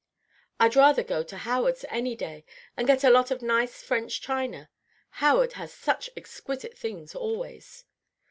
I'd rather go to Howard's any day, and get a lot of nice French china. Howard has such exquisite things always."